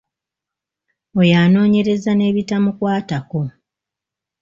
Oyo anoonyereza n'ebitamukwatako.